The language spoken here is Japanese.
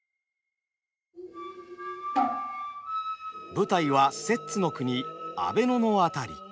舞台は摂津の国阿倍野の辺り。